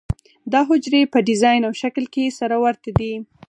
دا حجرې په ډیزاین او شکل کې سره ورته دي.